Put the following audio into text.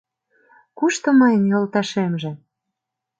Кушто мыйын йолташемже